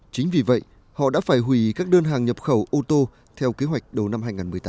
chính vì vậy họ đã phải hủy các đơn hàng nhập khẩu ô tô theo kế hoạch đầu năm hai nghìn một mươi tám